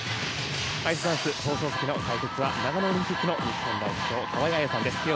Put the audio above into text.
アイスダンス、放送席の解説は長野オリンピックの日本代表河合彩さんです。